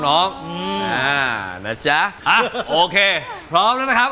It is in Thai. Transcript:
นะจ๊ะโอเคพร้อมแล้วนะครับ